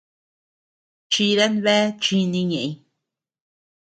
Chidan bea chíni ñeʼëñ.